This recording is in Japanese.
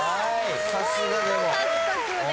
１ポイント獲得です。